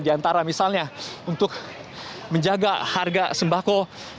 di antara misalnya untuk menjaga harga sembako